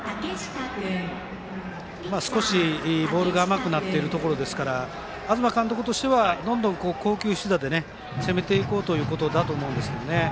少しボールが甘くなっているところですから東監督としてはどんどん好球必打で攻めていこうということだと思います。